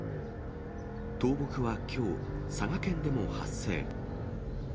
倒木はきょう、佐賀県でも発生。